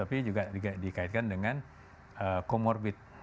nah itu juga dikaitkan dengan comorbid